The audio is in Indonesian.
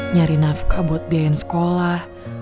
nyari nafkah buat biayain sekolah